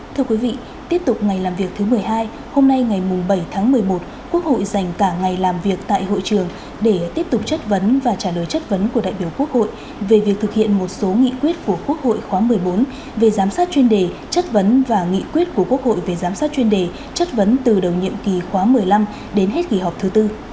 thưa quý vị tiếp tục ngày làm việc thứ một mươi hai hôm nay ngày bảy tháng một mươi một quốc hội dành cả ngày làm việc tại hội trường để tiếp tục chất vấn và trả lời chất vấn của đại biểu quốc hội về việc thực hiện một số nghị quyết của quốc hội khóa một mươi bốn về giám sát chuyên đề chất vấn và nghị quyết của quốc hội về giám sát chuyên đề chất vấn từ đầu nhiệm kỳ khóa một mươi năm đến hết kỳ họp thứ bốn